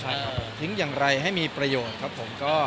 ใช่ครับอย่างไรให้มีประโยชน์นะครับ